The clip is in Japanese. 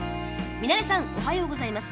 ミナレさんおはようございます。